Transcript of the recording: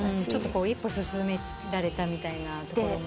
ちょっと一歩進められたみたいな。